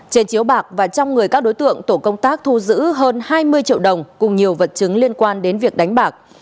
trên chiếu bạc và trong người các đối tượng tổ công tác thu giữ hơn hai mươi triệu đồng cùng nhiều vật chứng liên quan đến việc đánh bạc